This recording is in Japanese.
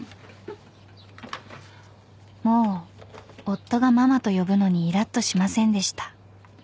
［もう夫が「ママ」と呼ぶのにいらっとしませんでした］